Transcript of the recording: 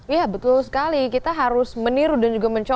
iya betul sekali kita harus meniru dan juga mencoba